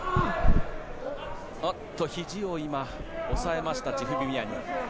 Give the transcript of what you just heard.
ひじを今、押さえましたチフビミアニ。